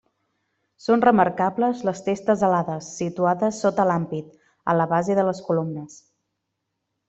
Són remarcables les testes alades situades sota l'ampit, a la base de les columnes.